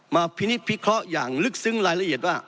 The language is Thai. พินิษพิเคราะห์อย่างลึกซึ้งรายละเอียดว่า